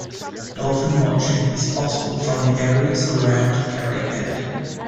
Dolphin-watching is possible from the areas around Kerry Head.